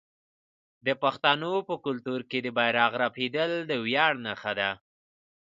د پښتنو په کلتور کې د بیرغ رپیدل د ویاړ نښه ده.